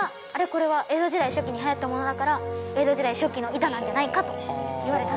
これは江戸時代初期にはやったものだから江戸時代初期の板なんじゃないかといわれたんですよ。